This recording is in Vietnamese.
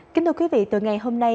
kính thưa quý vị từ ngày hôm nay